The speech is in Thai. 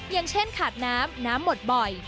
อย่างเช่นขาดน้ำน้ำหมดบ่อย